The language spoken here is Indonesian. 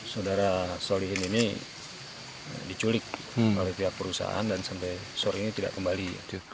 saudara solihin ini diculik oleh pihak perusahaan dan sampai sore ini tidak kembali